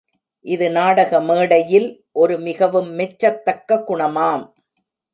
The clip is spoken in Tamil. இது நாடக மேடையில் ஒரு மிகவும் மெச்சத்தக்க குணமாம்.